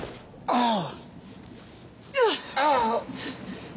ああ。